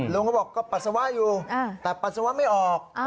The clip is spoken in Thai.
เขาบอกก็ปัสสาวะอยู่แต่ปัสสาวะไม่ออก